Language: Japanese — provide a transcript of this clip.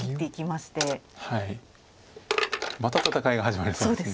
また戦いが始まりそうです。